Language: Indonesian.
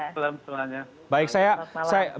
selamat malam semuanya